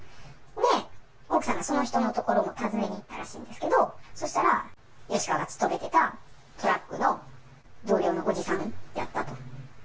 で、奥さんがその人の所も尋ねに行ったらしいんですけど、そしたら吉川が勤めていたトラックの同僚のおじさんやったと。